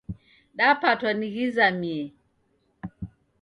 Dapatwa ni ghizamie